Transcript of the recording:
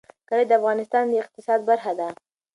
کلي د افغانستان د اقتصاد برخه ده.